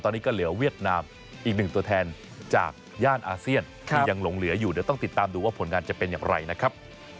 ตอนนี้ก็เหลือเวียดนามอีกหนึ่งตัวแทนจากย่านอาเซียนที่ยังหลงเหลืออยู่เดี๋ยวต้องติดตามดูว่าผลงานจะเป็นอย่างไรนะครับ